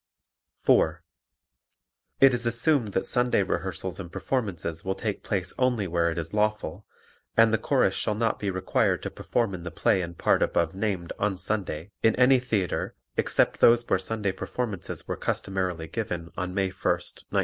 (4) It is assumed that Sunday rehearsals and performances will take place only where it is lawful, and the Chorus shall not be required to perform in the play and part above named on Sunday in any theatre except those where Sunday performances were customarily given on May 1st, 1924.